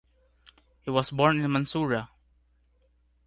He was born in Mansoura.